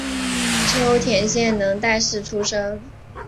秋田县能代市出身。